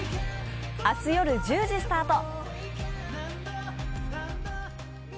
明日夜１０時スタート。